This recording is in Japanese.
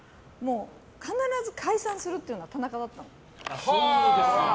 必ず解散するって言うのは田中だったの。